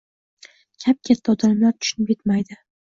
Kap-katta odamlar tushunib yetmaydi